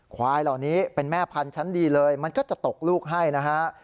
ควายเหล่านี้เป็นแม่พันธุ์ชั้นดีเลยมันก็จะตกลูกให้นะฮะ